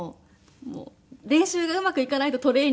練習がうまくいかないとトレーニングして。